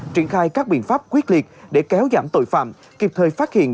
triển khai các biện pháp quyết liệt để kéo giảm tội phạm kịp thời phát hiện